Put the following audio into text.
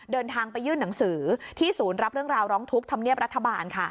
เดินทางไปยื่นหนังสือที่ศูนย์รับเรื่องราวร้องทุกข์ธรรมเนียบรัฐบาลค่ะ